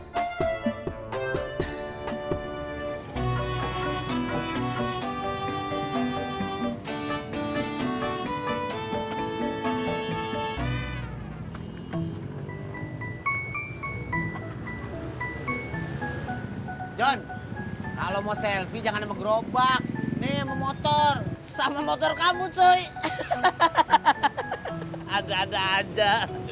hai john kalau mau selfie jangan megerobak nih motor sama motor kamu cuy ada ada aja